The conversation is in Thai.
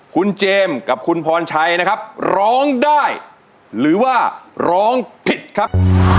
คุณเจมส์กับคุณพรชัยนะครับร้องได้หรือว่าร้องผิดครับ